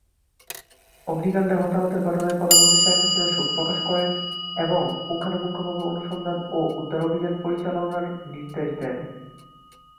অগ্নিকাণ্ডে হতাহতের ঘটনায় প্রধানমন্ত্রী শেখ হাসিনা শোক প্রকাশ করেন এবং পুঙ্খানুপুঙ্খভাবে অনুসন্ধান ও উদ্ধার অভিযান পরিচালনার নির্দেশ দেন।